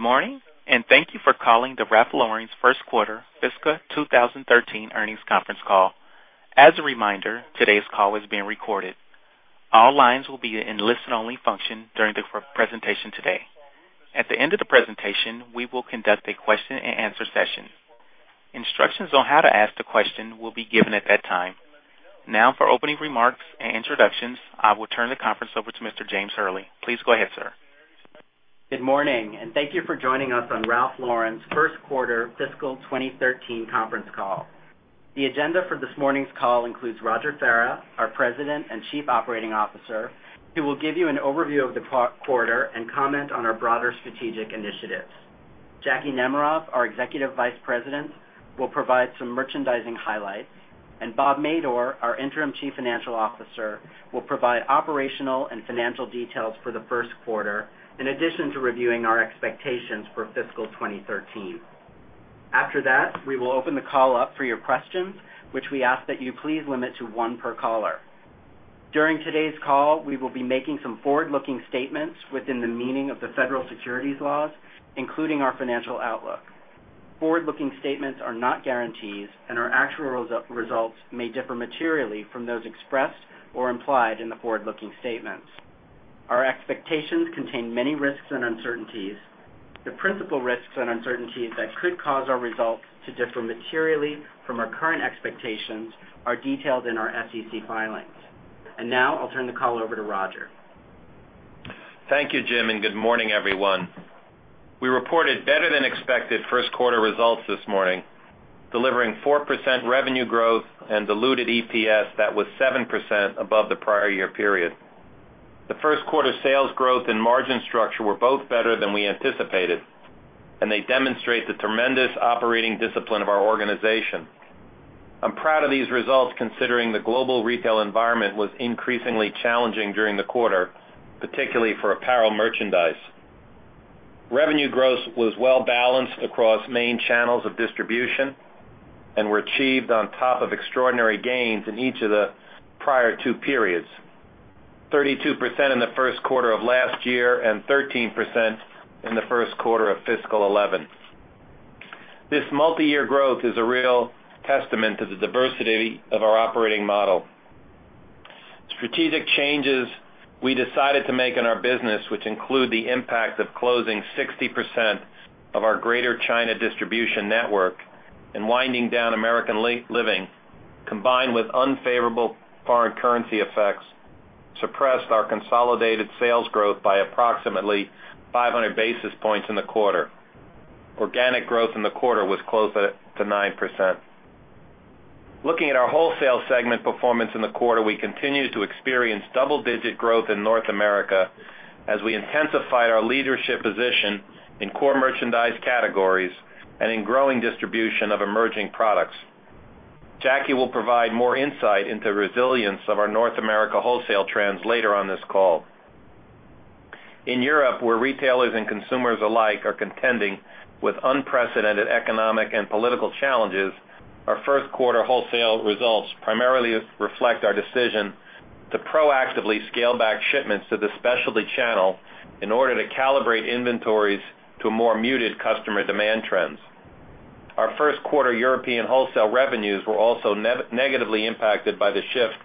Good morning, and thank you for calling the Ralph Lauren's first quarter fiscal 2013 earnings conference call. As a reminder, today's call is being recorded. All lines will be in listen-only function during the presentation today. At the end of the presentation, we will conduct a question and answer session. Instructions on how to ask the question will be given at that time. For opening remarks and introductions, I will turn the conference over to Mr. James Hurley. Please go ahead, sir. Good morning, and thank you for joining us on Ralph Lauren's first quarter fiscal 2013 conference call. The agenda for this morning's call includes Roger Farah, our President and Chief Operating Officer, who will give you an overview of the quarter and comment on our broader strategic initiatives. Jacki Nemerov, our Executive Vice President, will provide some merchandising highlights, and Robert Madore, our interim Chief Financial Officer, will provide operational and financial details for the first quarter, in addition to reviewing our expectations for fiscal 2013. After that, we will open the call up for your questions, which we ask that you please limit to one per caller. During today's call, we will be making some forward-looking statements within the meaning of the federal securities laws, including our financial outlook. Forward-looking statements are not guarantees, and our actual results may differ materially from those expressed or implied in the forward-looking statements. Our expectations contain many risks and uncertainties. The principal risks and uncertainties that could cause our results to differ materially from our current expectations are detailed in our SEC filings. I'll turn the call over to Roger. Thank you, Jim, and good morning, everyone. We reported better-than-expected first-quarter results this morning, delivering 4% revenue growth and diluted EPS that was 7% above the prior year period. The first quarter sales growth and margin structure were both better than we anticipated, and they demonstrate the tremendous operating discipline of our organization. I'm proud of these results considering the global retail environment was increasingly challenging during the quarter, particularly for apparel merchandise. Revenue growth was well-balanced across main channels of distribution and were achieved on top of extraordinary gains in each of the prior two periods. 32% in the first quarter of last year and 13% in the first quarter of fiscal 2011. This multi-year growth is a real testament to the diversity of our operating model. Strategic changes we decided to make in our business, which include the impact of closing 60% of our greater China distribution network and winding down American Living, combined with unfavorable foreign currency effects, suppressed our consolidated sales growth by approximately 500 basis points in the quarter. Organic growth in the quarter was closer to 9%. Looking at our wholesale segment performance in the quarter, we continued to experience double-digit growth in North America as we intensified our leadership position in core merchandise categories and in growing distribution of emerging products. Jacki will provide more insight into the resilience of our North America wholesale trends later on this call. In Europe, where retailers and consumers alike are contending with unprecedented economic and political challenges, our first quarter wholesale results primarily reflect our decision to proactively scale back shipments to the specialty channel in order to calibrate inventories to more muted customer demand trends. Our first quarter European wholesale revenues were also negatively impacted by the shift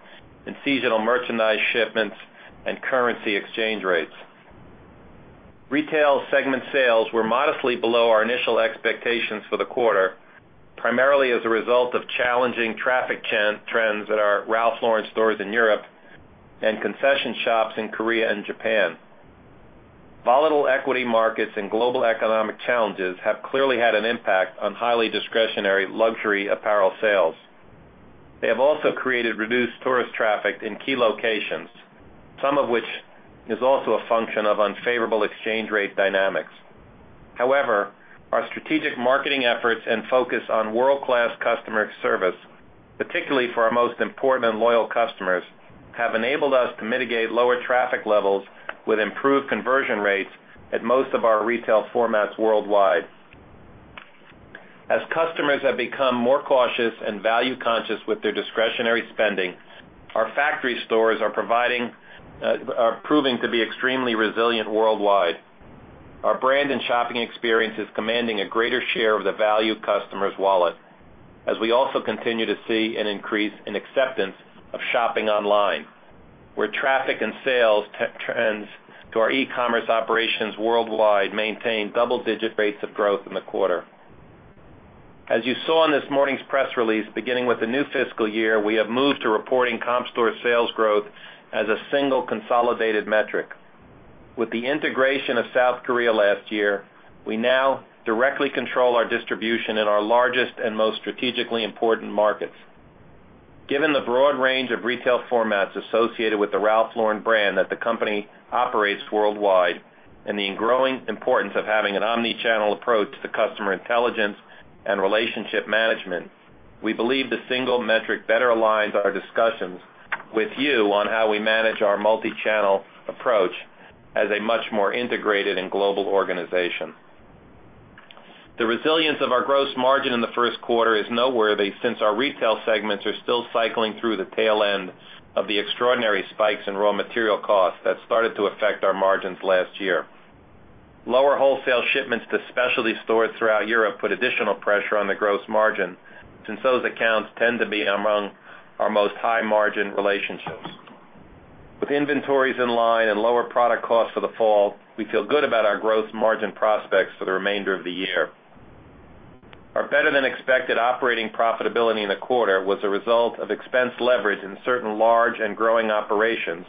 in seasonal merchandise shipments and currency exchange rates. Retail segment sales were modestly below our initial expectations for the quarter, primarily as a result of challenging traffic trends at our Ralph Lauren stores in Europe and concession shops in Korea and Japan. Volatile equity markets and global economic challenges have clearly had an impact on highly discretionary luxury apparel sales. They have also created reduced tourist traffic in key locations, some of which is also a function of unfavorable exchange rate dynamics. Our strategic marketing efforts and focus on world-class customer service, particularly for our most important and loyal customers, have enabled us to mitigate lower traffic levels with improved conversion rates at most of our retail formats worldwide. As customers have become more cautious and value-conscious with their discretionary spending, our factory stores are proving to be extremely resilient worldwide. Our brand and shopping experience is commanding a greater share of the value customer's wallet, as we also continue to see an increase in acceptance of shopping online, where traffic and sales trends to our e-commerce operations worldwide maintain double-digit rates of growth in the quarter. As you saw in this morning's press release, beginning with the new fiscal year, we have moved to reporting comp store sales growth as a single consolidated metric. With the integration of South Korea last year, we now directly control our distribution in our largest and most strategically important markets. Given the broad range of retail formats associated with the Ralph Lauren brand that the company operates worldwide and the growing importance of having an omni-channel approach to customer intelligence and relationship management, we believe the single metric better aligns our discussions with you on how we manage our multi-channel approach as a much more integrated and global organization. The resilience of our gross margin in the first quarter is noteworthy since our retail segments are still cycling through the tail end of the extraordinary spikes in raw material costs that started to affect our margins last year. Lower wholesale shipments to specialty stores throughout Europe put additional pressure on the gross margin, since those accounts tend to be among our highest margin relationships. With inventories in line and lower product costs for the fall, we feel good about our gross margin prospects for the remainder of the year. Our better-than-expected operating profitability in the quarter was a result of expense leverage in certain large and growing operations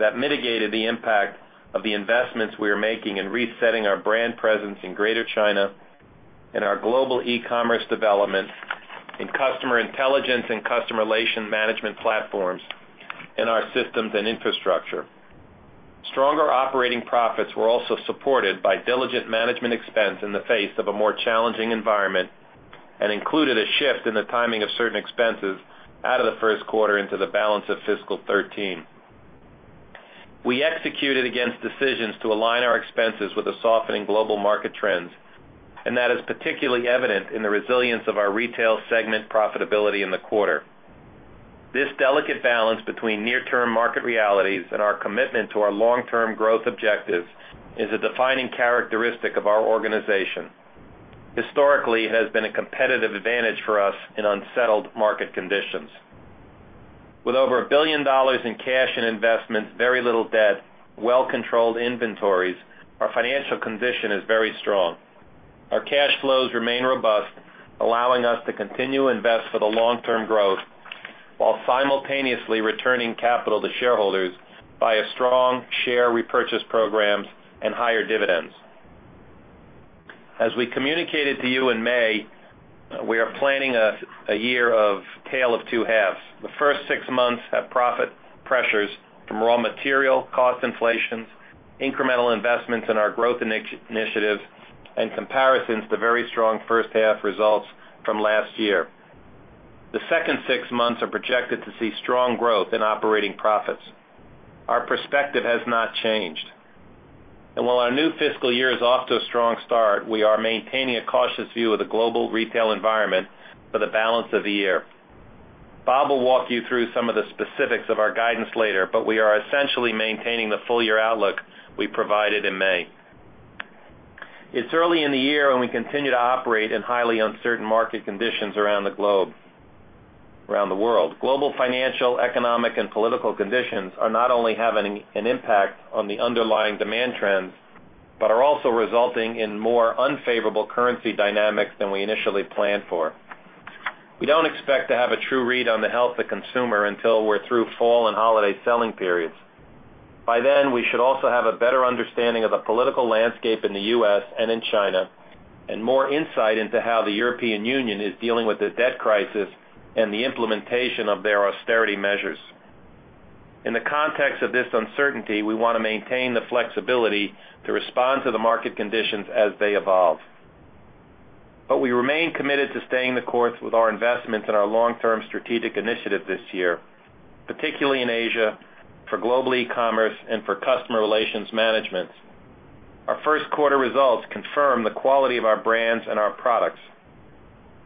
that mitigated the impact of the investments we are making in resetting our brand presence in Greater China and our global e-commerce development in customer intelligence and customer relationship management platforms in our systems and infrastructure. Stronger operating profits were also supported by diligent management expense in the face of a more challenging environment and included a shift in the timing of certain expenses out of the first quarter into the balance of fiscal 2013. We executed against decisions to align our expenses with the softening global market trends, that is particularly evident in the resilience of our retail segment profitability in the quarter. This delicate balance between near-term market realities and our commitment to our long-term growth objectives is a defining characteristic of our organization. Historically, it has been a competitive advantage for us in unsettled market conditions. With over $1 billion in cash and investments, very little debt, well-controlled inventories, our financial condition is very strong. Our cash flows remain robust, allowing us to continue to invest for the long-term growth while simultaneously returning capital to shareholders via strong share repurchase programs and higher dividends. As we communicated to you in May, we are planning a year of tale of two halves. The first six months have profit pressures from raw material cost inflations, incremental investments in our growth initiatives, and comparisons to very strong first half results from last year. The second six months are projected to see strong growth in operating profits. Our perspective has not changed. While our new fiscal year is off to a strong start, we are maintaining a cautious view of the global retail environment for the balance of the year. Bob will walk you through some of the specifics of our guidance later, we are essentially maintaining the full-year outlook we provided in May. It's early in the year, we continue to operate in highly uncertain market conditions around the globe. Around the world. Global financial, economic, and political conditions are not only having an impact on the underlying demand trends, are also resulting in more unfavorable currency dynamics than we initially planned for. We don't expect to have a true read on the health of consumer until we're through fall and holiday selling periods. By then, we should also have a better understanding of the political landscape in the U.S. and in China, more insight into how the European Union is dealing with the debt crisis and the implementation of their austerity measures. In the context of this uncertainty, we want to maintain the flexibility to respond to the market conditions as they evolve. We remain committed to staying the course with our investments in our long-term strategic initiative this year, particularly in Asia, for global e-commerce, and for customer relationship management. Our first quarter results confirm the quality of our brands and our products.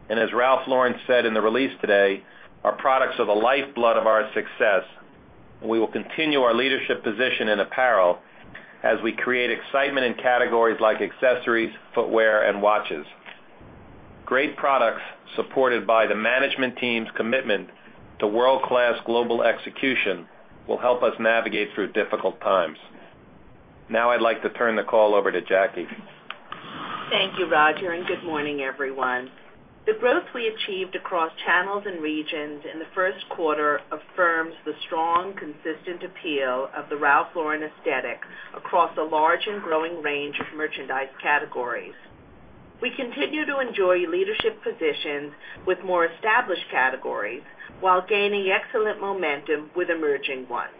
As Ralph Lauren said in the release today, our products are the lifeblood of our success, and we will continue our leadership position in apparel as we create excitement in categories like accessories, footwear, and watches. Great products supported by the management team's commitment to world-class global execution will help us navigate through difficult times. Now I'd like to turn the call over to Jacki. Thank you, Roger, and good morning, everyone. The growth we achieved across channels and regions in the first quarter affirms the strong, consistent appeal of the Ralph Lauren aesthetic across a large and growing range of merchandise categories. We continue to enjoy leadership positions with more established categories while gaining excellent momentum with emerging ones.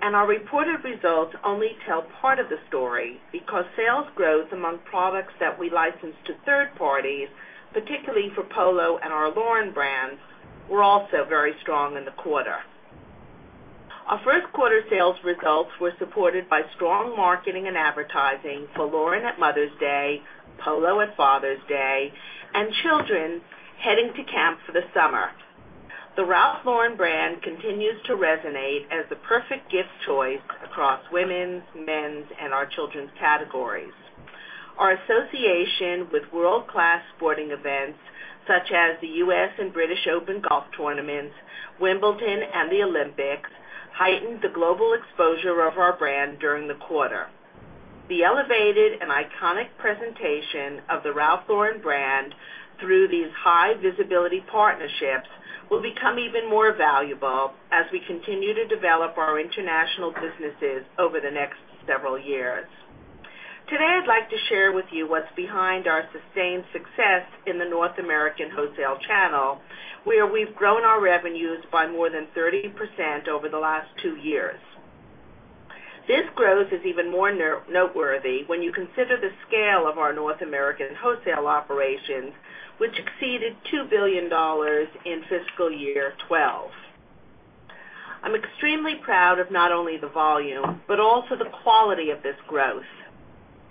Our reported results only tell part of the story because sales growth among products that we license to third parties, particularly for Polo and our Lauren brands, were also very strong in the quarter. Our first quarter sales results were supported by strong marketing and advertising for Lauren at Mother's Day, Polo at Father's Day, and children heading to camp for the summer. The Ralph Lauren brand continues to resonate as the perfect gift choice across women's, men's, and our children's categories. Our association with world-class sporting events such as the US and British Open golf tournaments, Wimbledon, and the Olympics heightened the global exposure of our brand during the quarter. The elevated and iconic presentation of the Ralph Lauren brand through these high-visibility partnerships will become even more valuable as we continue to develop our international businesses over the next several years. Today, I'd like to share with you what's behind our sustained success in the North American wholesale channel, where we've grown our revenues by more than 30% over the last two years. This growth is even more noteworthy when you consider the scale of our North American wholesale operations, which exceeded $2 billion in fiscal year 2012. I'm extremely proud of not only the volume, but also the quality of this growth.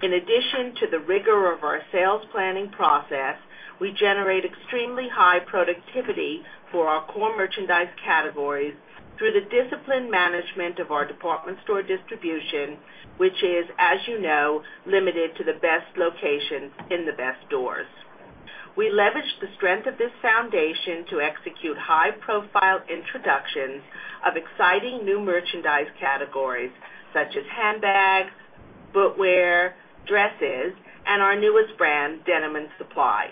In addition to the rigor of our sales planning process, we generate extremely high productivity for our core merchandise categories through the disciplined management of our department store distribution, which is, as you know, limited to the best locations in the best stores. We leveraged the strength of this foundation to execute high-profile introductions of exciting new merchandise categories such as handbags, footwear, dresses, and our newest brand, Denim & Supply.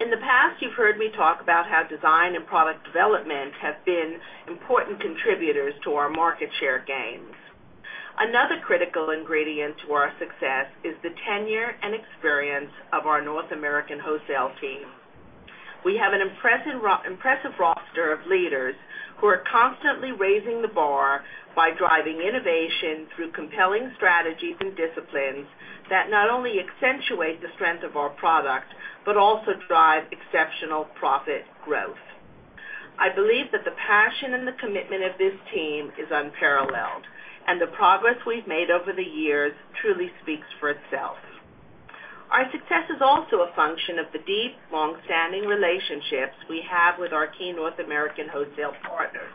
In the past, you've heard me talk about how design and product development have been important contributors to our market share gains. Another critical ingredient to our success is the tenure and experience of our North American wholesale team. We have an impressive roster of leaders who are constantly raising the bar by driving innovation through compelling strategies and disciplines that not only accentuate the strength of our product but also drive exceptional profit growth. I believe that the passion and the commitment of this team is unparalleled. The progress we've made over the years truly speaks for itself. Our success is also a function of the deep, long-standing relationships we have with our key North American wholesale partners.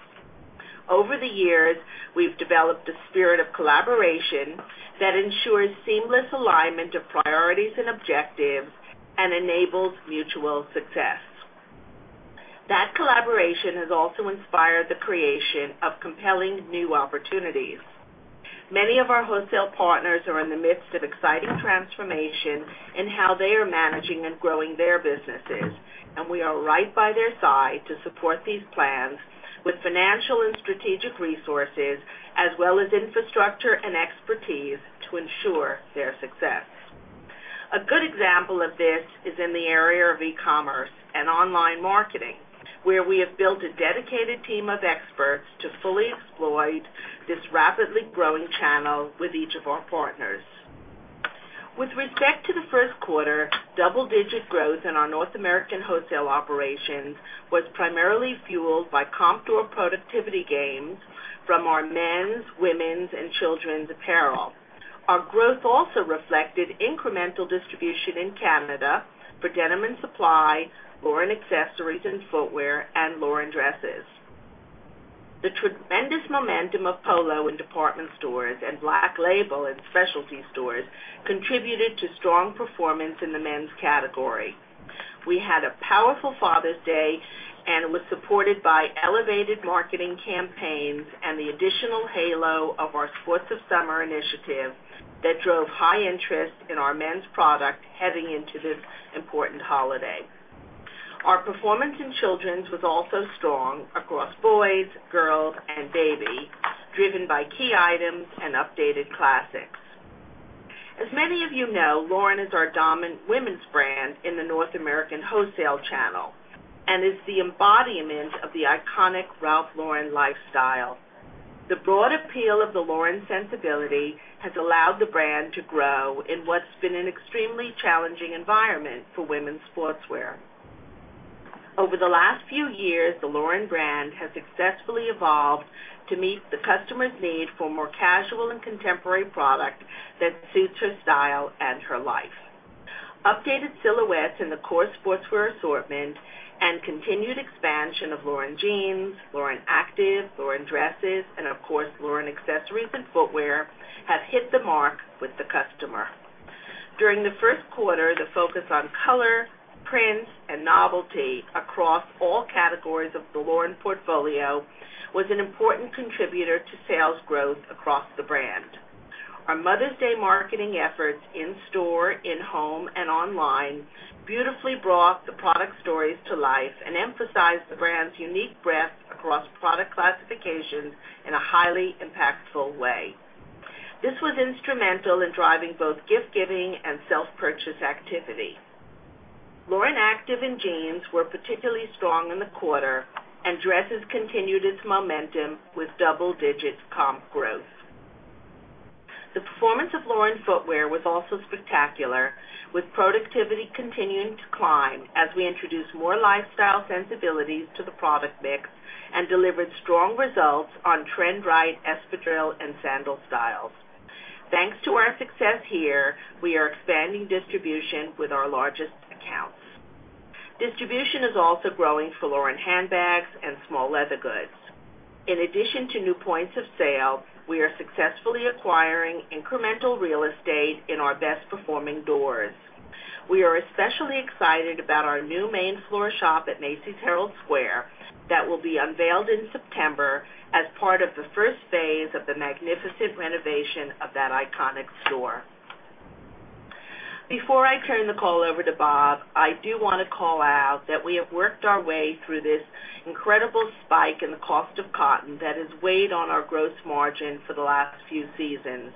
Over the years, we've developed a spirit of collaboration that ensures seamless alignment of priorities and objectives and enables mutual success. That collaboration has also inspired the creation of compelling new opportunities. Many of our wholesale partners are in the midst of exciting transformation in how they are managing and growing their businesses. We are right by their side to support these plans with financial and strategic resources, as well as infrastructure and expertise to ensure their success. A good example of this is in the area of e-commerce and online marketing, where we have built a dedicated team of experts to fully exploit this rapidly growing channel with each of our partners. With respect to the first quarter, double-digit growth in our North American wholesale operations was primarily fueled by comp store productivity gains from our men's, women's, and children's apparel. Our growth also reflected incremental distribution in Canada for Denim & Supply, Lauren Accessories and Footwear, and Lauren Dresses. The tremendous momentum of Polo in department stores and Black Label in specialty stores contributed to strong performance in the men's category. We had a powerful Father's Day. It was supported by elevated marketing campaigns and the additional halo of our Sports of Summer initiative that drove high interest in our men's product heading into this important holiday. Our performance in children's was also strong across boys, girls, and baby, driven by key items and updated classics. As many of you know, Lauren is our dominant women's brand in the North American wholesale channel and is the embodiment of the iconic Ralph Lauren lifestyle. The broad appeal of the Lauren sensibility has allowed the brand to grow in what's been an extremely challenging environment for women's sportswear. Over the last few years, the Lauren brand has successfully evolved to meet the customer's need for a more casual and contemporary product that suits her style and her life. Updated silhouettes in the core sportswear assortment and continued expansion of Lauren Jeans, Lauren Active, Lauren Dresses, and of course, Lauren Accessories and Footwear have hit the mark with the customer. During the first quarter, the focus on color, prints, and novelty across all categories of the Lauren portfolio was an important contributor to sales growth across the brand. Our Mother's Day marketing efforts in store, in home, and online beautifully brought the product stories to life and emphasized the brand's unique breadth across product classifications in a highly impactful way. This was instrumental in driving both gift-giving and self-purchase activity. Lauren Active and Jeans were particularly strong in the quarter. Dresses continued its momentum with double-digit comp growth. The performance of Lauren Footwear was also spectacular, with productivity continuing to climb as we introduced more lifestyle sensibilities to the product mix and delivered strong results on trend right espadrille and sandal styles. Thanks to our success here, we are expanding distribution with our largest accounts. Distribution is also growing for Lauren Handbags and small leather goods. In addition to new points of sale, we are successfully acquiring incremental real estate in our best-performing doors. We are especially excited about our new main floor shop at Macy's Herald Square that will be unveiled in September as part of the first phase of the magnificent renovation of that iconic store. Before I turn the call over to Bob, I do want to call out that we have worked our way through this incredible spike in the cost of cotton that has weighed on our gross margin for the last few seasons.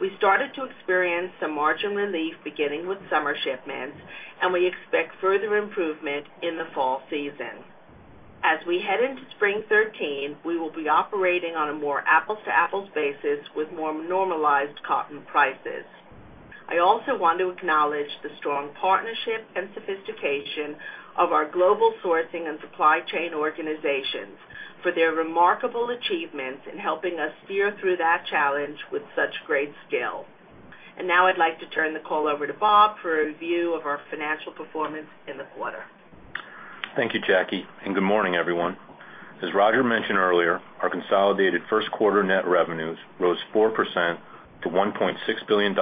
We started to experience some margin relief beginning with summer shipments, and we expect further improvement in the fall season. As we head into spring 2013, we will be operating on a more apples-to-apples basis with more normalized cotton prices. I also want to acknowledge the strong partnership and sophistication of our global sourcing and supply chain organizations for their remarkable achievements in helping us steer through that challenge with such great skill. Now I'd like to turn the call over to Bob for a review of our financial performance in the quarter. Thank you, Jacki, good morning, everyone. As Roger mentioned earlier, our consolidated first quarter net revenues rose 4% to $1.6 billion,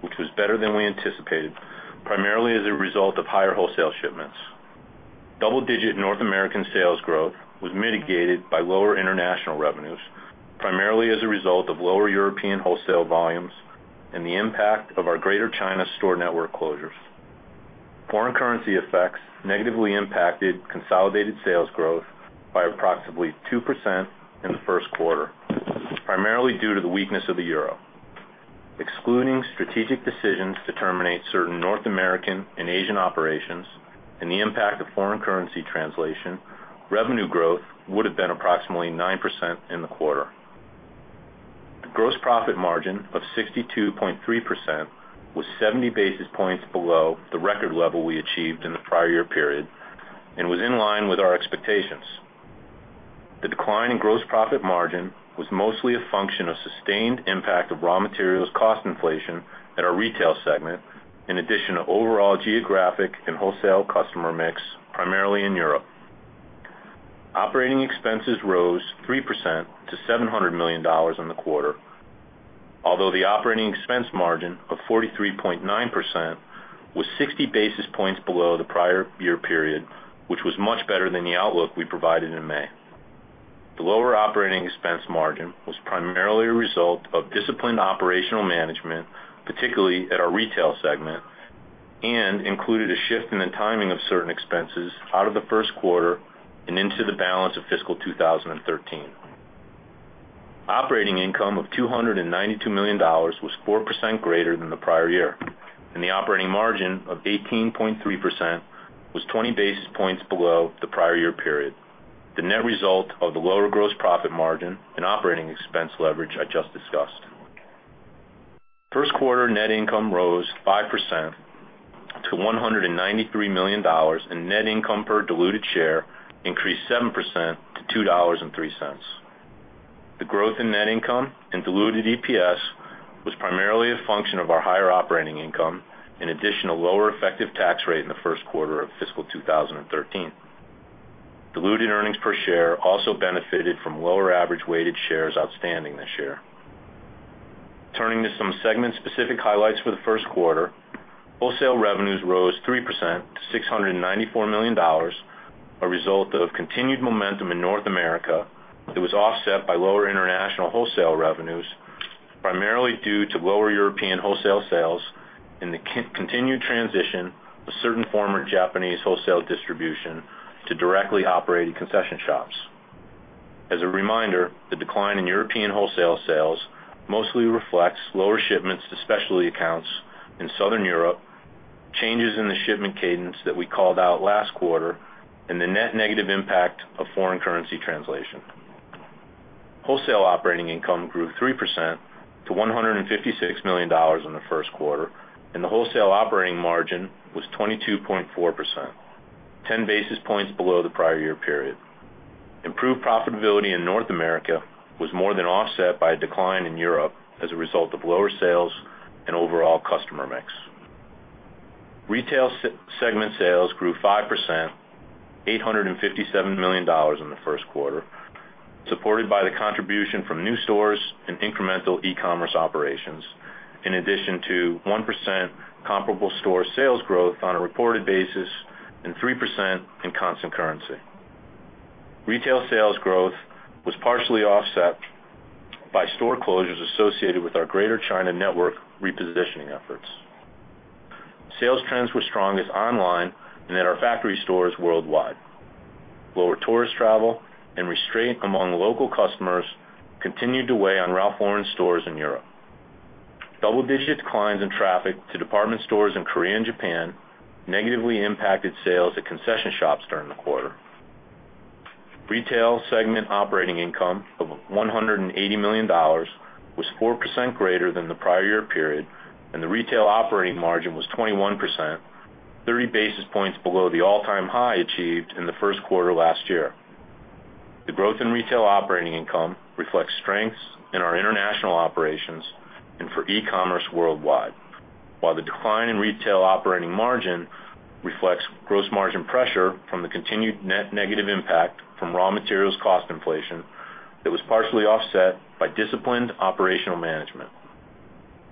which was better than we anticipated, primarily as a result of higher wholesale shipments. Double-digit North American sales growth was mitigated by lower international revenues, primarily as a result of lower European wholesale volumes and the impact of our greater China store network closures. Foreign currency effects negatively impacted consolidated sales growth by approximately 2% in the first quarter, primarily due to the weakness of the EUR. Excluding strategic decisions to terminate certain North American and Asian operations and the impact of foreign currency translation, revenue growth would have been approximately 9% in the quarter. A gross profit margin of 62.3% was 70 basis points below the record level we achieved in the prior year period and was in line with our expectations. The decline in gross profit margin was mostly a function of sustained impact of raw materials cost inflation at our retail segment, in addition to overall geographic and wholesale customer mix, primarily in Europe. Operating expenses rose 3% to $700 million in the quarter, although the operating expense margin of 43.9% was 60 basis points below the prior year period, which was much better than the outlook we provided in May. The lower operating expense margin was primarily a result of disciplined operational management, particularly at our retail segment, and included a shift in the timing of certain expenses out of the first quarter and into the balance of fiscal 2013. Operating income of $292 million was 4% greater than the prior year, the operating margin of 18.3% was 20 basis points below the prior year period, the net result of the lower gross profit margin and operating expense leverage I just discussed. First quarter net income rose 5% to $193 million and net income per diluted share increased 7% to $2.03. The growth in net income and diluted EPS was primarily a function of our higher operating income, in addition to lower effective tax rate in the first quarter of fiscal 2013. Diluted earnings per share also benefited from lower average weighted shares outstanding this year. Turning to some segment-specific highlights for the first quarter, wholesale revenues rose 3% to $694 million, a result of continued momentum in North America that was offset by lower international wholesale revenues, primarily due to lower European wholesale sales and the continued transition of certain former Japanese wholesale distribution to directly operating concession shops. As a reminder, the decline in European wholesale sales mostly reflects lower shipments to specialty accounts in Southern Europe, changes in the shipment cadence that we called out last quarter, and the net negative impact of foreign currency translation. Wholesale operating income grew 3% to $156 million in the first quarter, the wholesale operating margin was 22.4%, 10 basis points below the prior year period. Improved profitability in North America was more than offset by a decline in Europe as a result of lower sales and overall customer mix. Retail segment sales grew 5%, $857 million in the first quarter, supported by the contribution from new stores and incremental e-commerce operations, in addition to 1% comparable store sales growth on a reported basis and 3% in constant currency. Retail sales growth was partially offset by store closures associated with our greater China network repositioning efforts. Sales trends were strongest online and at our factory stores worldwide. Lower tourist travel and restraint among local customers continued to weigh on Ralph Lauren stores in Europe. Double-digit declines in traffic to department stores in Korea and Japan negatively impacted sales at concession shops during the quarter. Retail segment operating income of $180 million was 4% greater than the prior year period, the retail operating margin was 21%, 30 basis points below the all-time high achieved in the first quarter last year. The growth in retail operating income reflects strengths in our international operations and for e-commerce worldwide. While the decline in retail operating margin reflects gross margin pressure from the continued net negative impact from raw materials cost inflation, that was partially offset by disciplined operational management.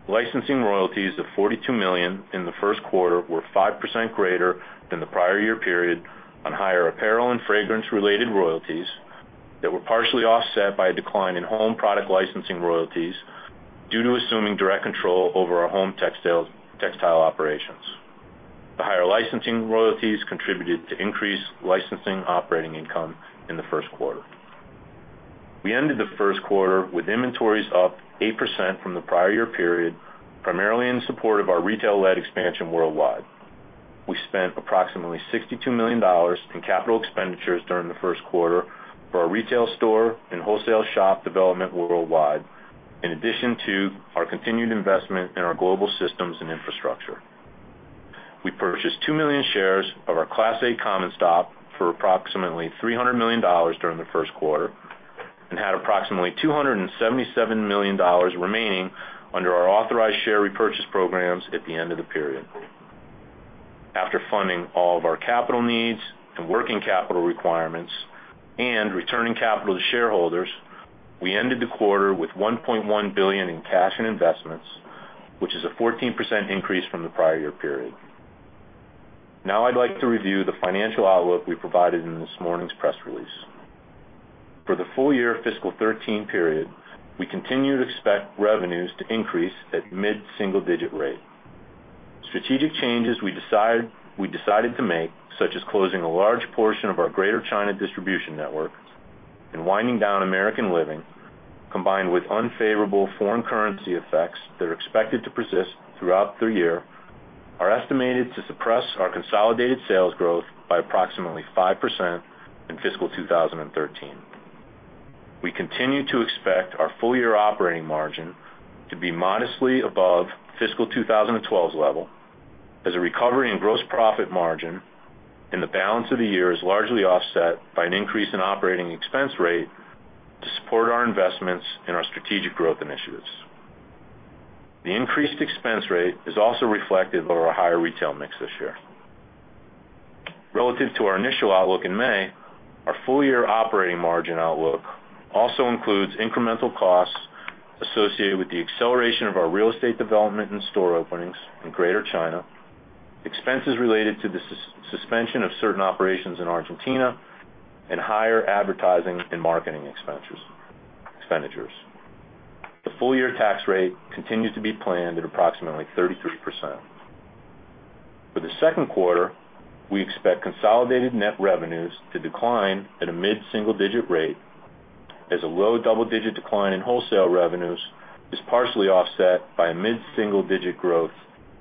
Licensing royalties of $42 million in the first quarter were 5% greater than the prior year period on higher apparel and fragrance-related royalties that were partially offset by a decline in home product licensing royalties due to assuming direct control over our home textile operations. The higher licensing royalties contributed to increased licensing operating income in the first quarter. We ended the first quarter with inventories up 8% from the prior year period, primarily in support of our retail-led expansion worldwide. We spent approximately $62 million in capital expenditures during the first quarter for our retail store and wholesale shop development worldwide, in addition to our continued investment in our global systems and infrastructure. We purchased 2 million shares of our Class A common stock for approximately $300 million during the first quarter and had approximately $277 million remaining under our authorized share repurchase programs at the end of the period. After funding all of our capital needs and working capital requirements and returning capital to shareholders, we ended the quarter with $1.1 billion in cash and investments, which is a 14% increase from the prior year period. Now I'd like to review the financial outlook we provided in this morning's press release. For the full year fiscal 2013 period, we continue to expect revenues to increase at mid-single-digit rate. Strategic changes we decided to make, such as closing a large portion of our Greater China distribution network and winding down American Living, combined with unfavorable foreign currency effects that are expected to persist throughout the year, are estimated to suppress our consolidated sales growth by approximately 5% in fiscal 2013. We continue to expect our full-year operating margin to be modestly above fiscal 2012's level, as a recovery in gross profit margin in the balance of the year is largely offset by an increase in operating expense rate to support our investments in our strategic growth initiatives. The increased expense rate is also reflective of our higher retail mix this year. Relative to our initial outlook in May, our full-year operating margin outlook also includes incremental costs associated with the acceleration of our real estate development and store openings in Greater China, expenses related to the suspension of certain operations in Argentina, and higher advertising and marketing expenditures. The full-year tax rate continues to be planned at approximately 33%. For the second quarter, we expect consolidated net revenues to decline at a mid-single-digit rate as a low double-digit decline in wholesale revenues is partially offset by a mid-single-digit growth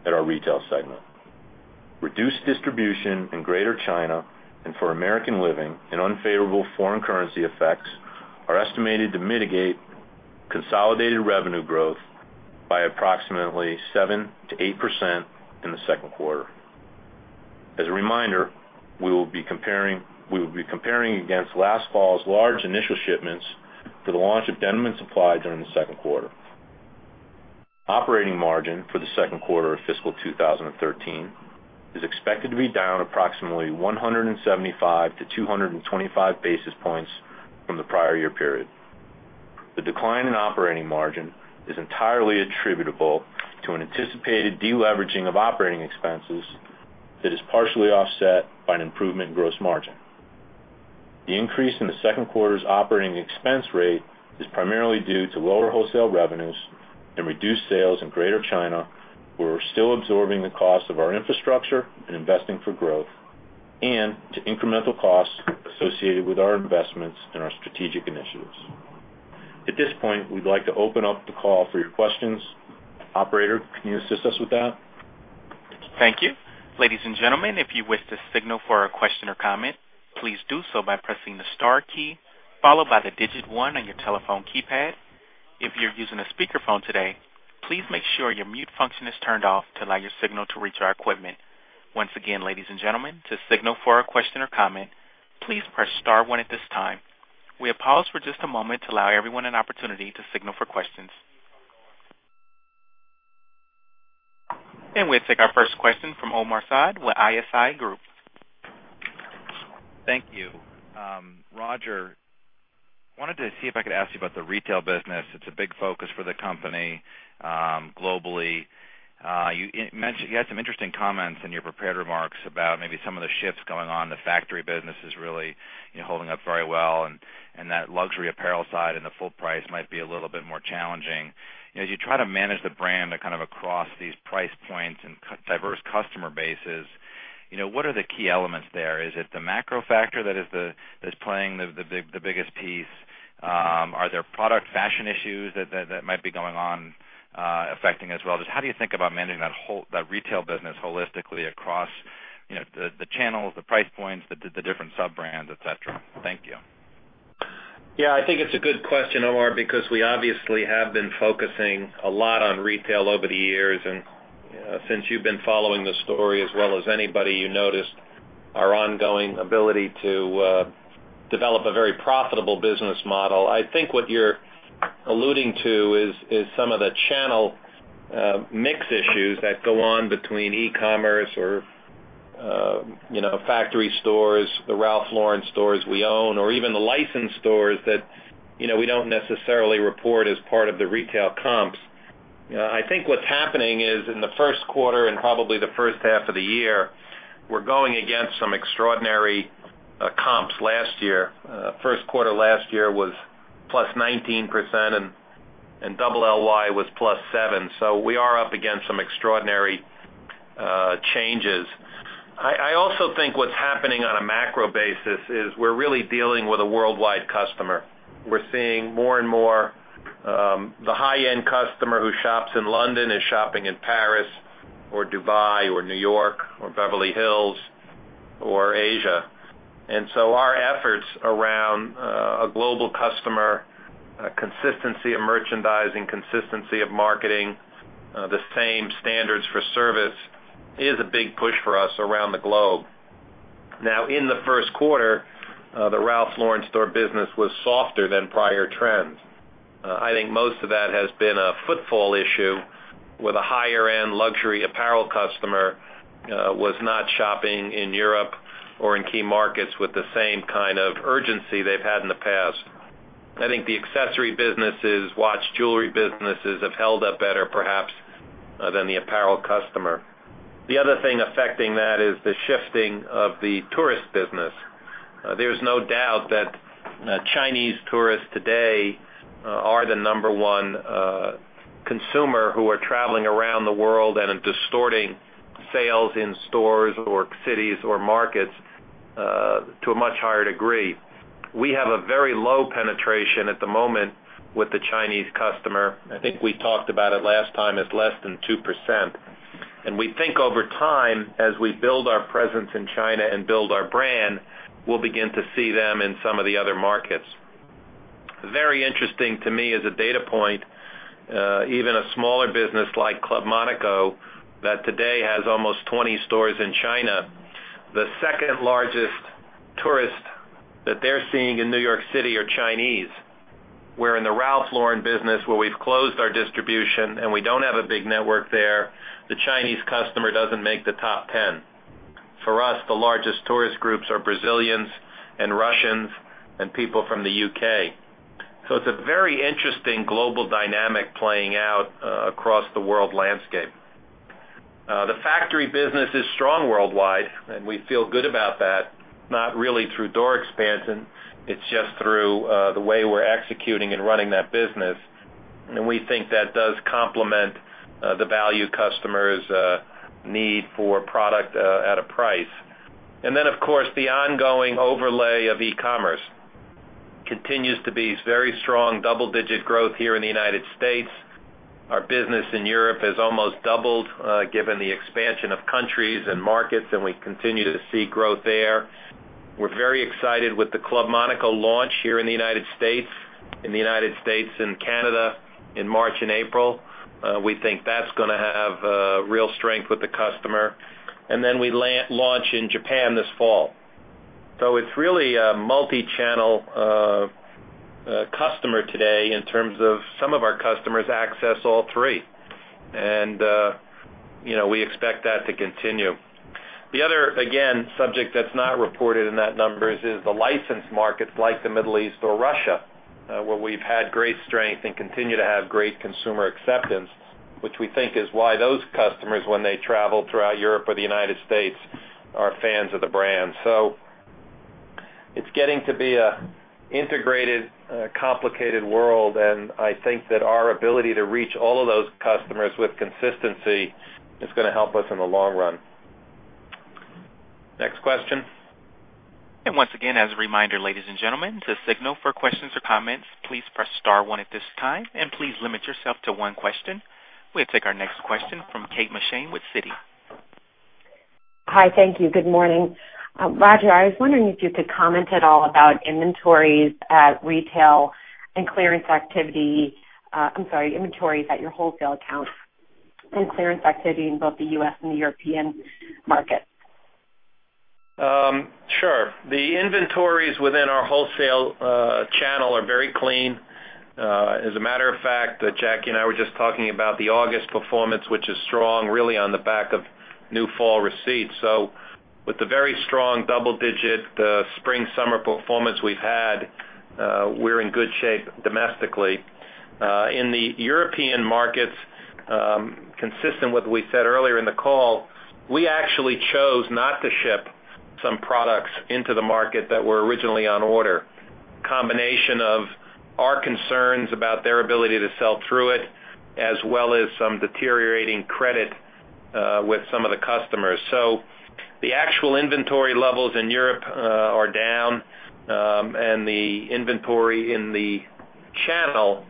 at our retail segment. Reduced distribution in Greater China and for American Living and unfavorable foreign currency effects are estimated to mitigate consolidated revenue growth by approximately 7%-8% in the second quarter. As a reminder, we will be comparing against last fall's large initial shipments for the launch of Denim & Supply during the second quarter. Operating margin for the second quarter of fiscal 2013 is expected to be down approximately 175-225 basis points from the prior year period. The decline in operating margin is entirely attributable to an anticipated deleveraging of operating expenses that is partially offset by an improvement in gross margin. The increase in the second quarter's operating expense rate is primarily due to lower wholesale revenues and reduced sales in Greater China, where we're still absorbing the cost of our infrastructure and investing for growth, and to incremental costs associated with our investments and our strategic initiatives. At this point, we'd like to open up the call for your questions. Operator, can you assist us with that? Thank you. Ladies and gentlemen, if you wish to signal for a question or comment, please do so by pressing the star key followed by the digit 1 on your telephone keypad. If you're using a speakerphone today, please make sure your mute function is turned off to allow your signal to reach our equipment. Once again, ladies and gentlemen, to signal for a question or comment, please press star 1 at this time. We have paused for just a moment to allow everyone an opportunity to signal for questions. We'll take our first question from Omar Saad with ISI Group. Thank you. Roger, wanted to see if I could ask you about the retail business. It's a big focus for the company globally. You had some interesting comments in your prepared remarks about maybe some of the shifts going on. The factory business is really holding up very well, and that luxury apparel side and the full price might be a little bit more challenging. As you try to manage the brand kind of across these price points and diverse customer bases, what are the key elements there? Is it the macro factor that is playing the biggest piece? Are there product fashion issues that might be going on affecting as well? Just how do you think about managing that retail business holistically across the channels, the price points, the different sub-brands, et cetera? Thank you. Yeah, I think it's a good question, Omar, because we obviously have been focusing a lot on retail over the years. Since you've been following the story as well as anybody, you noticed our ongoing ability to develop a very profitable business model. I think what you're alluding to is some of the channel mix issues that go on between e-commerce or factory stores, the Ralph Lauren stores we own, or even the licensed stores that we don't necessarily report as part of the retail comps. I think what's happening is in the first quarter and probably the first half of the year, we're going against some extraordinary comps last year. First quarter last year was plus 19%, and Double LY was plus 7%. We are up against some extraordinary changes. I also think what's happening on a macro basis is we're really dealing with a worldwide customer. We're seeing more and more he high-end customer who shops in London is shopping in Paris or Dubai or New York or Beverly Hills or Asia. Our efforts around a global customer, consistency of merchandising, consistency of marketing, the same standards for service is a big push for us around the globe. In the first quarter, the Ralph Lauren store business was softer than prior trends. I think most of that has been a footfall issue with a higher-end luxury apparel customer who was not shopping in Europe or in key markets with the same kind of urgency they've had in the past. I think the accessory businesses, watch jewelry businesses have held up better perhaps than the apparel customer. The other thing affecting that is the shifting of the tourist business. There's no doubt that Chinese tourists today are the number 1 consumer who are traveling around the world and are distorting sales in stores or cities or markets to a much higher degree. We have a very low penetration at the moment with the Chinese customer. I think we talked about it last time as less than 2%. We think over time, as we build our presence in China and build our brand, we'll begin to see them in some of the other markets. Very interesting to me as a data point, even a smaller business like Club Monaco that today has almost 20 stores in China, the second-largest tourist that they're seeing in New York City are Chinese. Where in the Ralph Lauren business, where we've closed our distribution and we don't have a big network there, the Chinese customer doesn't make the top 10. For us, the largest tourist groups are Brazilians and Russians and people from the U.K. It's a very interesting global dynamic playing out across the world landscape. The factory business is strong worldwide, and we feel good about that, not really through door expansion. It's just through the way we're executing and running that business. We think that does complement the value customers' need for product at a price. Of course, the ongoing overlay of e-commerce continues to be very strong double-digit growth here in the United States. Our business in Europe has almost doubled, given the expansion of countries and markets, and we continue to see growth there. We're very excited with the Club Monaco launch here in the United States and Canada in March and April. We think that's going to have real strength with the customer. We launch in Japan this fall. It's really a multi-channel customer today in terms of some of our customers access all three. We expect that to continue. The other, again, subject that's not reported in that numbers is the licensed markets like the Middle East or Russia, where we've had great strength and continue to have great consumer acceptance, which we think is why those customers, when they travel throughout Europe or the United States, are fans of the brand. It's getting to be an integrated, complicated world, and I think that our ability to reach all of those customers with consistency is going to help us in the long run. Next question. Once again, as a reminder, ladies and gentlemen, to signal for questions or comments, please press star one at this time, and please limit yourself to one question. We'll take our next question from Kate McShane with Citi. Hi. Thank you. Good morning. Roger, I was wondering if you could comment at all about inventories at retail and clearance activity, I'm sorry, inventories at your wholesale accounts and clearance activity in both the U.S. and the European markets. Sure. The inventories within our wholesale channel are very clean. As a matter of fact, Jacki and I were just talking about the August performance, which is strong, really on the back of new fall receipts. With the very strong double-digit spring-summer performance we've had, we're in good shape domestically. In the European markets, consistent with what we said earlier in the call, we actually chose not to ship some products into the market that were originally on order. Combination of our concerns about their ability to sell through it, as well as some deteriorating credit with some of the customers. The actual inventory levels in Europe are down, and the inventory in the channel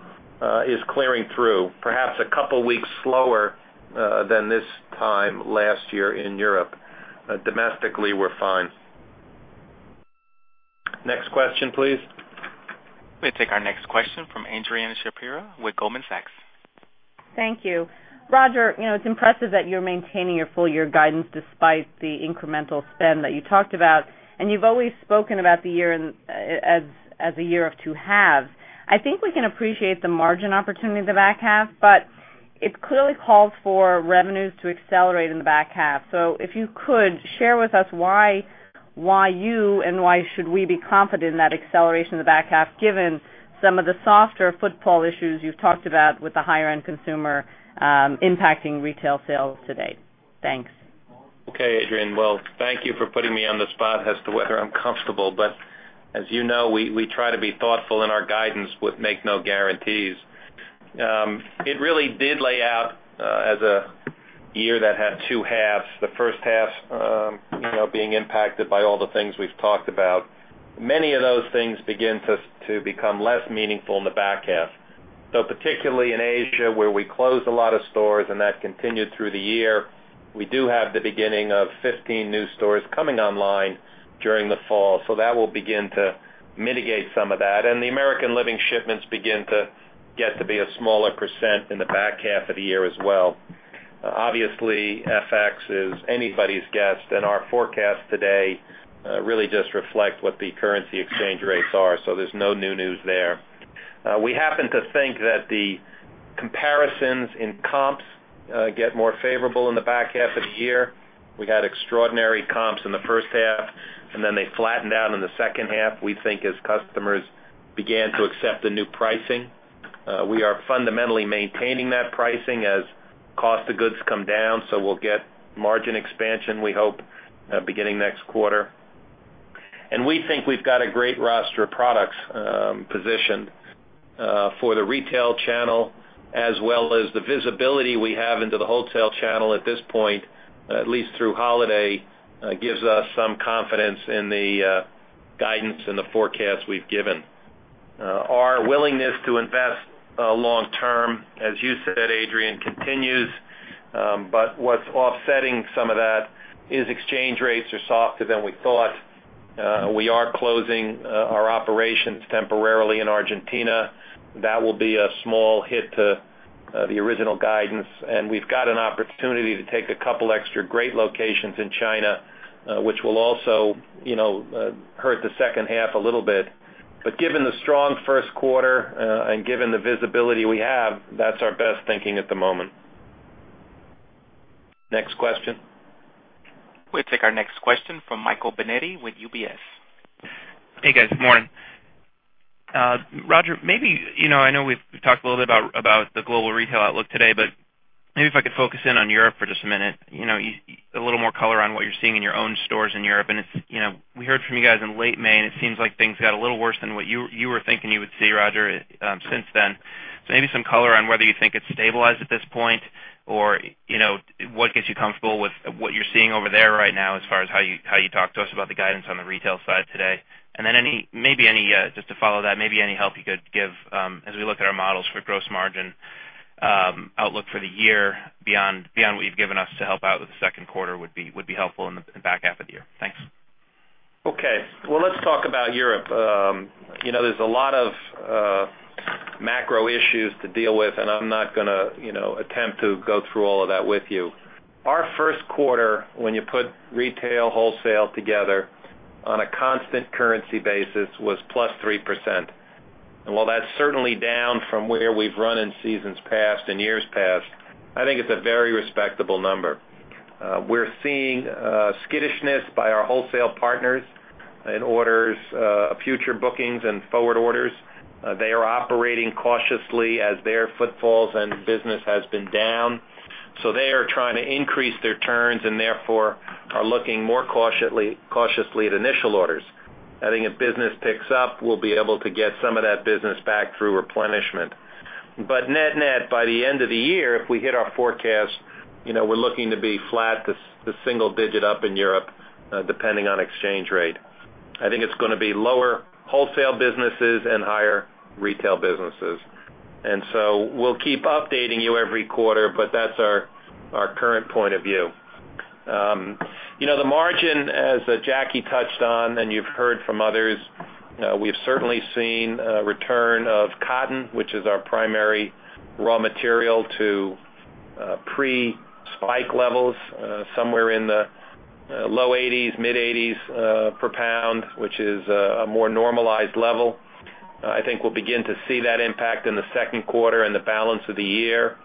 is clearing through, perhaps a couple of weeks slower than this time last year in Europe. Domestically, we're fine. Next question, please. We take our next question from Adrianne Shapira with Goldman Sachs. Thank you. Roger, it's impressive that you're maintaining your full-year guidance despite the incremental spend that you talked about, and you've always spoken about the year as a year of two halves. I think we can appreciate the margin opportunity in the back half, but it clearly calls for revenues to accelerate in the back half. If you could, share with us why you and why should we be confident in that acceleration in the back half, given some of the softer footfall issues you've talked about with the higher-end consumer impacting retail sales to date. Thanks. Okay, Adrianne. Well, thank you for putting me on the spot as to whether I'm comfortable. As you know, we try to be thoughtful in our guidance but make no guarantees. It really did lay out as a year that had two halves. The first half being impacted by all the things we've talked about. Many of those things begin to become less meaningful in the back half. Particularly in Asia, where we closed a lot of stores and that continued through the year, we do have the beginning of 15 new stores coming online during the fall. That will begin to mitigate some of that. The American Living shipments begin to get to be a smaller % in the back half of the year as well. Obviously, FX is anybody's guess, and our forecast today really just reflect what the currency exchange rates are. There's no new news there. We happen to think that the comparisons in comps get more favorable in the back half of the year. We had extraordinary comps in the first half, and then they flattened out in the second half, we think as customers began to accept the new pricing. We are fundamentally maintaining that pricing as cost of goods come down. We'll get margin expansion, we hope, beginning next quarter. We think we've got a great roster of products positioned for the retail channel as well as the visibility we have into the wholesale channel at this point, at least through holiday, gives us some confidence in the guidance and the forecast we've given. Our willingness to invest long-term, as you said, Adrianne, continues. What's offsetting some of that is exchange rates are softer than we thought. We are closing our operations temporarily in Argentina. That will be a small hit to the original guidance. We've got an opportunity to take a couple extra great locations in China, which will also hurt the second half a little bit. Given the strong first quarter and given the visibility we have, that's our best thinking at the moment. Next question. We'll take our next question from Michael Binetti with UBS. Hey, guys. Morning. Roger, I know we've talked a little bit about the global retail outlook today, but maybe if I could focus in on Europe for just a minute. A little more color on what you're seeing in your own stores in Europe. We heard from you guys in late May, and it seems like things got a little worse than what you were thinking you would see, Roger, since then. Maybe some color on whether you think it's stabilized at this point or what gets you comfortable with what you're seeing over there right now as far as how you talk to us about the guidance on the retail side today. Just to follow that, maybe any help you could give as we look at our models for gross margin outlook for the year beyond what you've given us to help out with the second quarter would be helpful in the back half of the year. Thanks. Okay. Well, let's talk about Europe. There's a lot of macro issues to deal with, and I'm not going to attempt to go through all of that with you. Our first quarter, when you put retail wholesale together on a constant currency basis, was plus 3%. While that's certainly down from where we've run in seasons past and years past, I think it's a very respectable number. We're seeing skittishness by our wholesale partners in orders, future bookings, and forward orders. They are operating cautiously as their footfalls and business has been down. They are trying to increase their turns and therefore are looking more cautiously at initial orders. I think if business picks up, we'll be able to get some of that business back through replenishment. Net-net, by the end of the year, if we hit our forecast, we're looking to be flat to single-digit up in Europe, depending on exchange rate. I think it's going to be lower wholesale businesses and higher retail businesses. We'll keep updating you every quarter, but that's our current point of view. The margin, as Jacki touched on and you've heard from others, we've certainly seen a return of cotton, which is our primary raw material, to pre-spike levels, somewhere in the low 80s, mid-80s per pound, which is a more normalized level. I think we'll begin to see that impact in the second quarter and the balance of the year.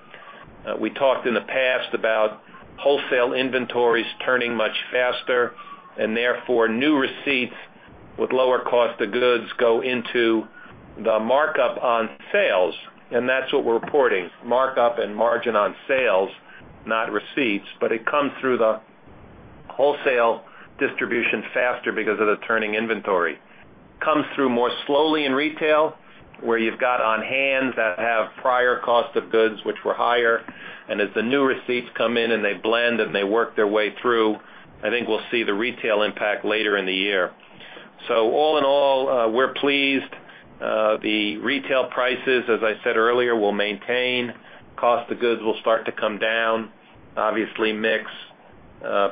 We talked in the past about wholesale inventories turning much faster, and therefore, new receipts with lower cost of goods go into the markup on sales. That's what we're reporting, markup and margin on sales, not receipts. It comes through the wholesale distribution faster because of the turning inventory. Comes through more slowly in retail, where you've got on hands that have prior cost of goods, which were higher. As the new receipts come in and they blend and they work their way through, I think we'll see the retail impact later in the year. All in all, we're pleased. The retail prices, as I said earlier, will maintain. Cost of goods will start to come down. Obviously, mix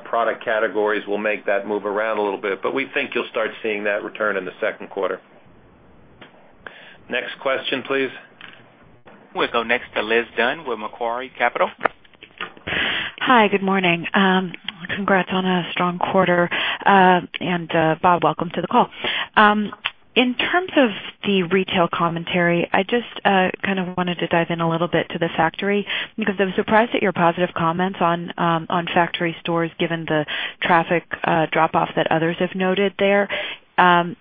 product categories will make that move around a little bit. We think you'll start seeing that return in the second quarter. Next question, please. We'll go next to Liz Dunn with Macquarie Capital. Hi, good morning. Congrats on a strong quarter. Bob, welcome to the call. In terms of the retail commentary, I just kind of wanted to dive in a little bit to the factory because I'm surprised at your positive comments on factory stores given the traffic drop-off that others have noted there.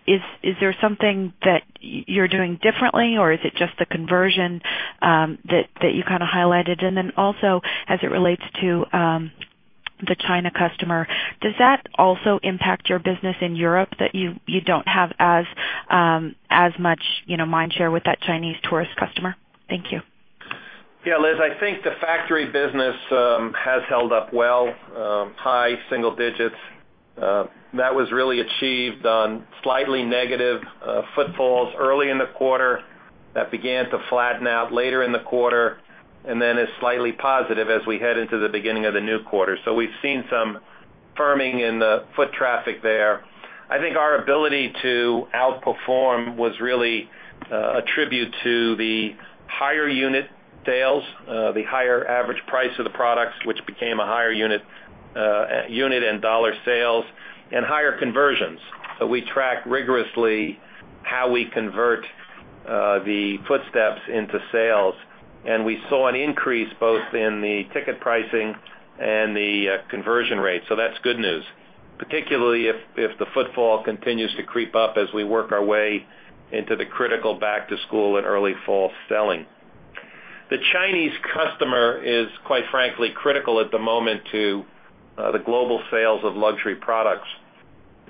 Is there something that you're doing differently, or is it just the conversion that you kind of highlighted? Then also as it relates to the China customer. Does that also impact your business in Europe that you don't have as much mind share with that Chinese tourist customer? Thank you. Liz, I think the factory business has held up well, high single digits. That was really achieved on slightly negative footfalls early in the quarter that began to flatten out later in the quarter, then is slightly positive as we head into the beginning of the new quarter. We've seen some firming in the foot traffic there. I think our ability to outperform was really a tribute to the higher unit sales, the higher average price of the products, which became a higher unit and dollar sales, and higher conversions. We track rigorously how we convert the footsteps into sales. We saw an increase both in the ticket pricing and the conversion rate. That's good news, particularly if the footfall continues to creep up as we work our way into the critical back-to-school and early fall selling. The Chinese customer is, quite frankly, critical at the moment to the global sales of luxury products.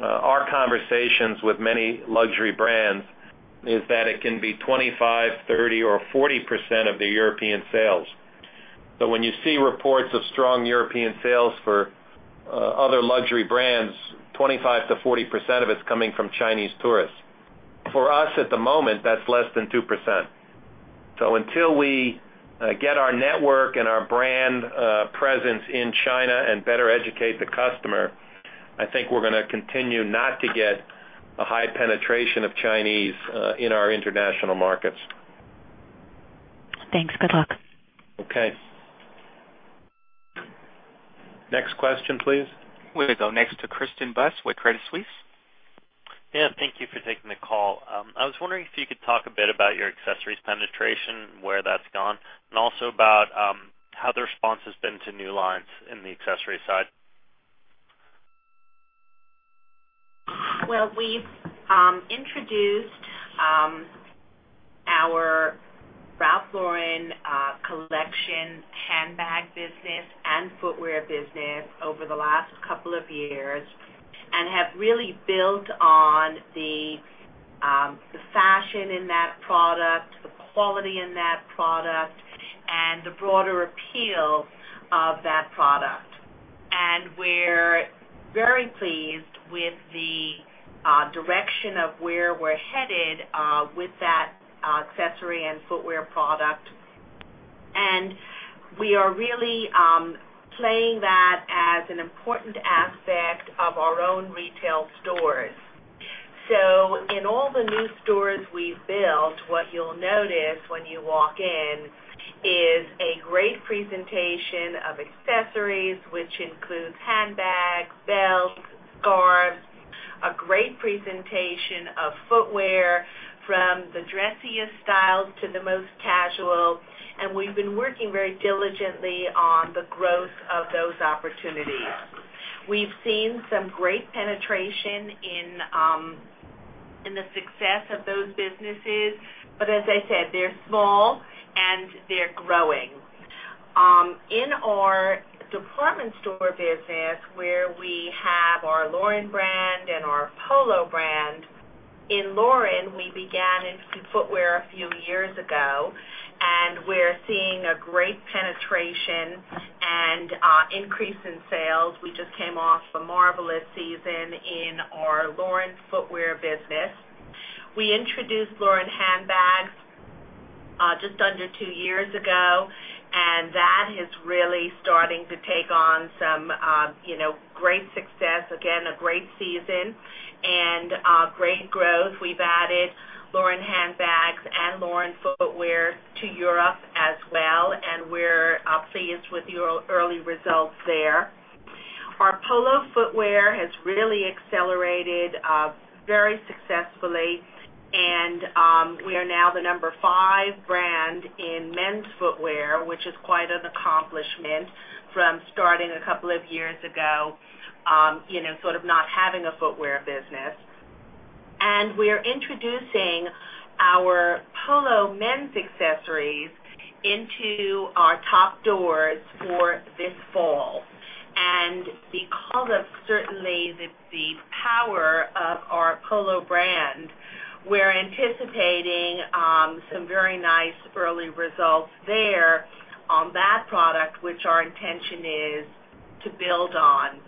Our conversations with many luxury brands is that it can be 25%, 30%, or 40% of the European sales. When you see reports of strong European sales for other luxury brands, 25%-40% of it's coming from Chinese tourists. For us at the moment, that's less than 2%. Until we get our network and our brand presence in China and better educate the customer, I think we're going to continue not to get a high penetration of Chinese in our international markets. Thanks. Good luck. Okay. Next question, please. We're going to go next to Christian Buss with Credit Suisse. Yeah, thank you for taking the call. I was wondering if you could talk a bit about your accessories penetration, where that's gone, and also about how the response has been to new lines in the accessories side. Well, we've introduced our Ralph Lauren Collection handbag business and footwear business over the last couple of years and have really built on the fashion in that product, the quality in that product, and the broader appeal of that product. We're very pleased with the direction of where we're headed with that accessory and footwear product. We are really playing that as an important aspect of our own retail stores. In all the new stores we've built, what you'll notice when you walk in is a great presentation of accessories, which includes handbags, belts, scarves, a great presentation of footwear from the dressiest styles to the most casual, and we've been working very diligently on the growth of those opportunities. We've seen some great penetration in the success of those businesses, but as I said, they're small and they're growing. In our department store business, where we have our Lauren brand and our Polo brand, in Lauren, we began in footwear a few years ago, and we're seeing a great penetration and increase in sales. We just came off a marvelous season in our Lauren footwear business. We introduced Lauren handbags just under two years ago, and that is really starting to take on some great success. Again, a great season and great growth. We've added Lauren handbags and Lauren footwear to Europe as well, and we're pleased with the early results there. Our Polo footwear has really accelerated very successfully, and we are now the number 5 brand in men's footwear, which is quite an accomplishment from starting a couple of years ago, sort of not having a footwear business. We're introducing our Polo men's accessories into our top doors for this fall. Because of, certainly, the power of our Polo brand, we're anticipating some very nice early results there on that product, which our intention is to build on.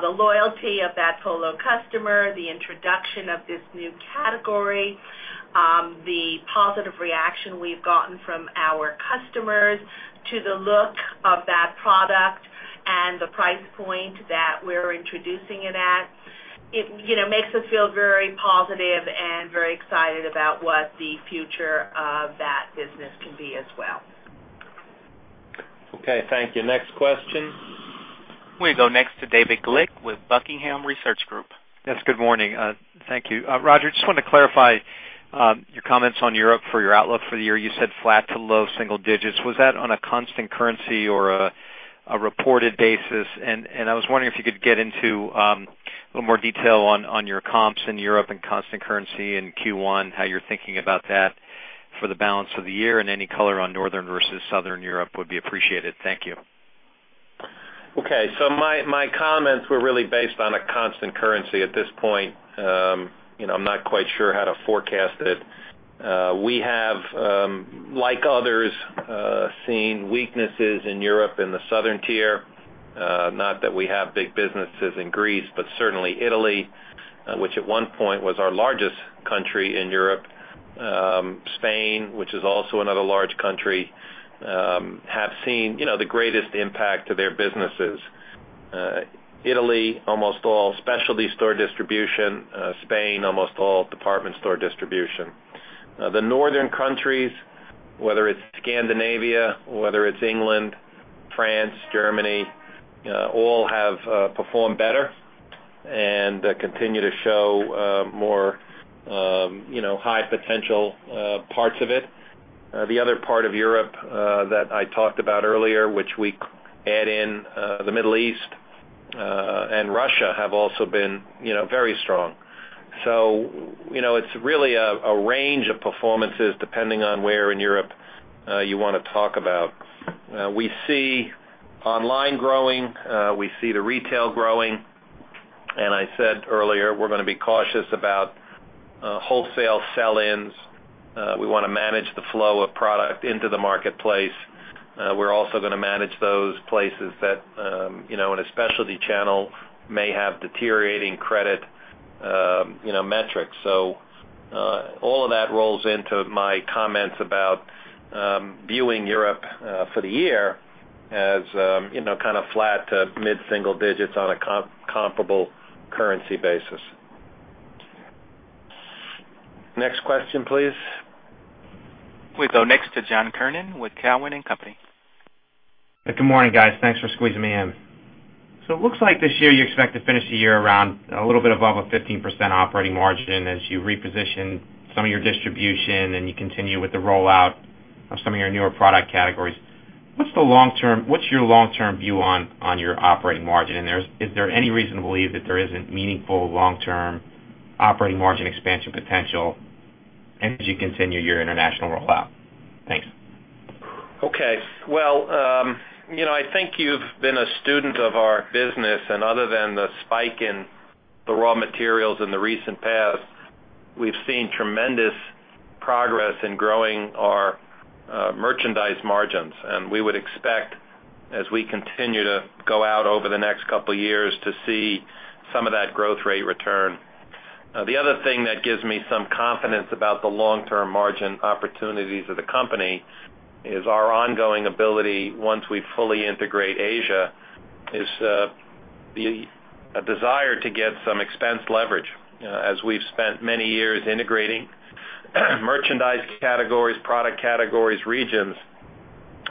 The loyalty of that Polo customer, the introduction of this new category, the positive reaction we've gotten from our customers to the look of that product and the price point that we're introducing it at, it makes us feel very positive and very excited about what the future of that business can be as well. Okay, thank you. Next question. We go next to David Glick with Buckingham Research Group. Yes, good morning. Thank you. Roger, just wanted to clarify your comments on Europe for your outlook for the year. You said flat to low single digits. Was that on a constant currency or a reported basis? I was wondering if you could get into a little more detail on your comps in Europe and constant currency in Q1, how you're thinking about that. For the balance of the year and any color on Northern versus Southern Europe would be appreciated. Thank you. My comments were really based on a constant currency at this point. I'm not quite sure how to forecast it. We have, like others, seen weaknesses in Europe in the southern tier. Not that we have big businesses in Greece, but certainly Italy, which at one point was our largest country in Europe. Spain, which is also another large country, have seen the greatest impact to their businesses. Italy, almost all specialty store distribution, Spain, almost all department store distribution. The northern countries, whether it's Scandinavia, whether it's England, France, Germany, all have performed better and continue to show more high potential parts of it. The other part of Europe that I talked about earlier, which we add in, the Middle East and Russia, have also been very strong. It's really a range of performances depending on where in Europe you want to talk about. We see online growing, we see the retail growing, I said earlier, we're going to be cautious about wholesale sell-ins. We want to manage the flow of product into the marketplace. We're also going to manage those places that, in a specialty channel, may have deteriorating credit metrics. All of that rolls into my comments about viewing Europe for the year as kind of flat to mid-single digits on a comparable currency basis. Next question, please. We go next to John Kernan with Cowen and Company. Good morning, guys. Thanks for squeezing me in. It looks like this year you expect to finish the year around a little bit above a 15% operating margin as you reposition some of your distribution, and you continue with the rollout of some of your newer product categories. What's your long-term view on your operating margin? Is there any reason to believe that there isn't meaningful long-term operating margin expansion potential as you continue your international rollout? Thanks. Okay. Well, I think you've been a student of our business, other than the spike in the raw materials in the recent past, we've seen tremendous progress in growing our merchandise margins. We would expect, as we continue to go out over the next couple of years, to see some of that growth rate return. The other thing that gives me some confidence about the long-term margin opportunities of the company is our ongoing ability, once we fully integrate Asia, is a desire to get some expense leverage. As we've spent many years integrating merchandise categories, product categories, regions,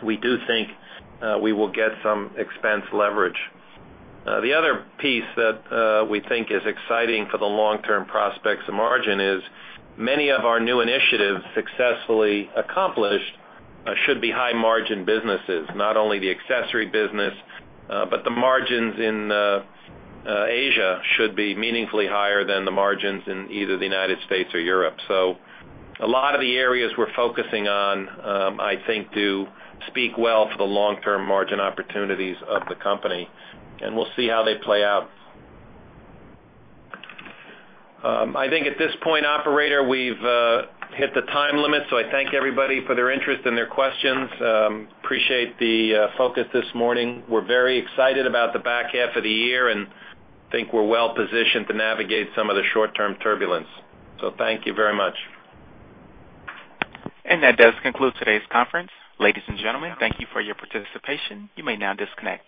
we do think we will get some expense leverage. The other piece that we think is exciting for the long-term prospects of margin is many of our new initiatives successfully accomplished should be high-margin businesses. Not only the accessory business, but the margins in Asia should be meaningfully higher than the margins in either the U.S. or Europe. A lot of the areas we're focusing on, I think do speak well for the long-term margin opportunities of the company, we'll see how they play out. I think at this point, operator, we've hit the time limit, I thank everybody for their interest and their questions. Appreciate the focus this morning. We're very excited about the back half of the year and think we're well positioned to navigate some of the short-term turbulence. Thank you very much. That does conclude today's conference. Ladies and gentlemen, thank you for your participation. You may now disconnect.